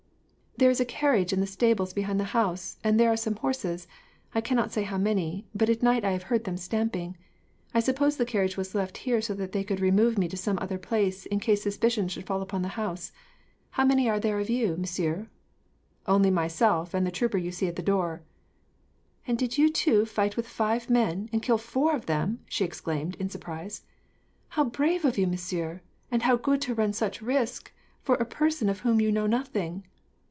"There is a carriage in the stables behind the house, and there are some horses. I cannot say how many, but at night I have heard them stamping. I suppose the carriage was left here so that they could remove me to some other place, in case suspicion should fall upon this house. How many are there of you, monsieur?" "Only myself, and the trooper you see at the door." "And did you two fight with five men, and kill four of them!" she exclaimed, in surprise. "How brave of you, monsieur, and how good to run such risk, for a person of whom you knew nothing!"